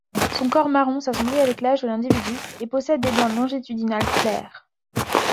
Son corps marron s'assombrit avec l'âge de l'individu, et possède des bandes longitudinales claires.